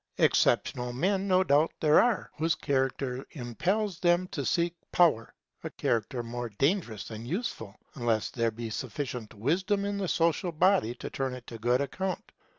Exceptional men no doubt there are, whose character impels them to seek power; a character more dangerous than useful, unless there be sufficient wisdom in the social body to turn it to good account.